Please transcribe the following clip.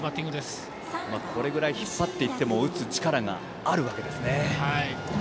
これぐらい引っ張っていっても打つ力があるわけですね。